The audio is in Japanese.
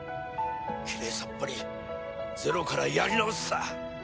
きれいさっぱりゼロからやり直すさ。